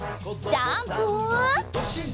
ジャンプ！